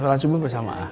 salat subuh bersama ah